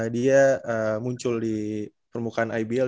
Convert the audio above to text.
dia muncul di permukaan ibl